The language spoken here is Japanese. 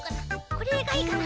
これがいいかな。